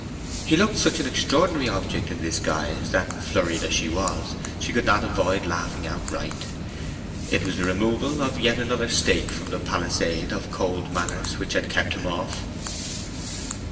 He looked such an extraordinary object in this guise that, flurried as she was, she could not avoid laughing outright. It was the removal of yet another stake from the palisade of cold manners which had kept him off.